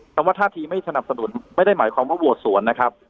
ว่าท่าทีไม่สนับสนุนไม่ได้หมายความว่าโหวตสวนนะครับ